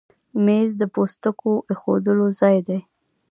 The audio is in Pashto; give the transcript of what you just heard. مېز د پوستکو ایښودو ځای دی.